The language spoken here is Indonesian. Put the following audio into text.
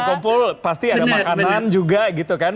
berkumpul pasti ada makanan juga gitu kan